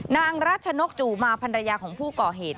นางรัชนกจู่มาพันรยาของผู้ก่อเหตุ